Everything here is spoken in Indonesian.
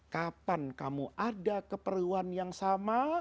kapan kamu ada keperluan yang sama